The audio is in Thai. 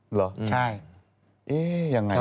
เหรอใช่เอ๊ะยังไง